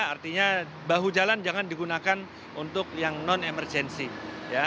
artinya bahu jalan jangan digunakan untuk yang non emergency